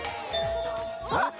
あっ！